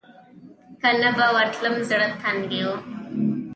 که نه به ورتلم زړه تنګۍ و.